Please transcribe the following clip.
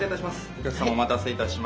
お客さまお待たせいたしました。